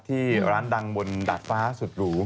ที่ร้านดังบนดาดฟ้าสุดหรู